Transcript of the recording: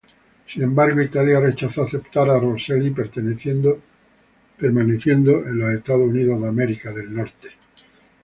Sin embargo, Italia rechazó aceptar a Roselli, permaneciendo en Estados Unidos.